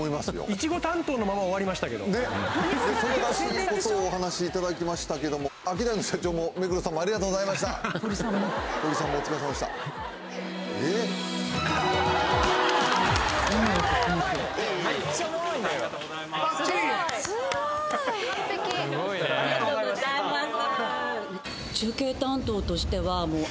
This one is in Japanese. いちご担当のまま終わりましたけどそれらしいことをお話しいただきましたけどもアキダイの社長も目黒さんもありがとうございました堀さんも堀さんもお疲れさまでしたえっありがとうございますじゃないかと思います